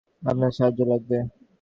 আপনার সাহায্য লাগবে?